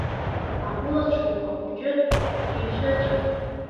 Агәылацәа уԥа хәыҷы дицәырҵәахт.